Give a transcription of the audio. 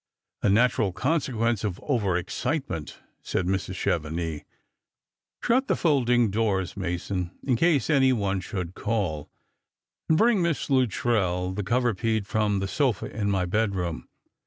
" A natural consequence of over excitement," said Mrs. Chevenix. " Shut the folding doors. Mason, in case any one should call ; and bring Miss Luttrell the couvre pied from the Bofa in my bedroom.